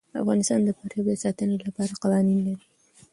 افغانستان د فاریاب د ساتنې لپاره قوانین لري.